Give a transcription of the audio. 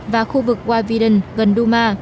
và khu vực yveden gần duma